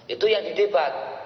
itu yang didebat